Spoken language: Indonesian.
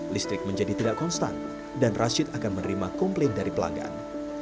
listrik menjadi tidak konstan dan rashid akan menerima komplain dari pelanggan